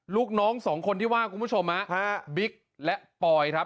ลูกน้องสองคนที่ว่าคุณผู้ชมฮะบิ๊กและปอยครับ